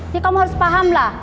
sih kamu harus paham lah